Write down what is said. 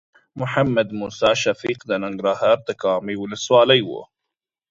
محمد موسی شفیق د ننګرهار د کامې ولسوالۍ و.